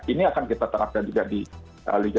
ini akan kita terapkan juga di lidya satu dan lidya dua